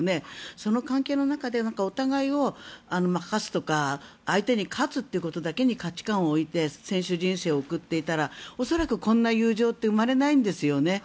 その関係の中でお互いを負かすとか相手に勝つということだけに価値観を置いて選手人生を送っていたら恐らくこんな友情って生まれないんですよね。